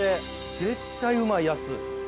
絶対うまいやつ。